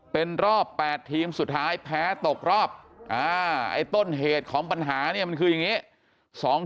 เป็นรอบ๘ทีมสุดท้ายแพ้ตกรอบไอ้ต้นเหตุของปัญหาเนี่ยมันคืออย่างนี้